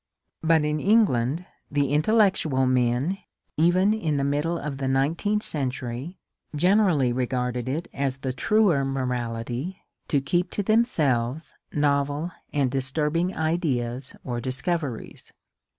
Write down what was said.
But in England the intellectual men, even in the middle of the nineteenth century, generally regarded it as the truer morality to keep to themselves novel and disturbing ideas or discoveries.